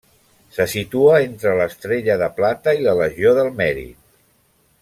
Se situa entre l'Estrella de Plata i la Legió del Mèrit.